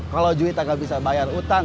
kalau juita gak bisa bayar utang